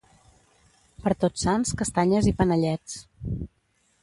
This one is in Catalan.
Per tots sants castanyes i panellets